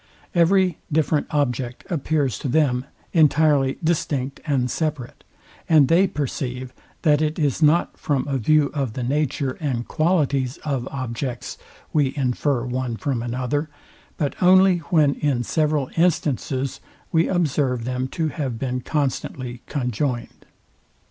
Every different object appears to them entirely distinct and separate; and they perceive, that it is not from a view of the nature and qualities of objects we infer one from another, but only when in several instances we observe them to have been constantly conjoined.